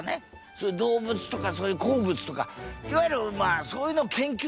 そういう動物とかそういう鉱物とかいわゆるまあそういうのを研究する。